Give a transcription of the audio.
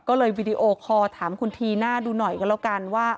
ก็เลยติดต่อโควส์ถามคุณทีนะดูหน่อยกันแล้วกันว่า